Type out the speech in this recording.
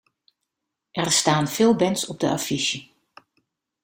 Er staan veel bands op de affiche.